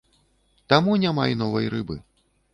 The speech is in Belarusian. Таму няма і новай рыбы.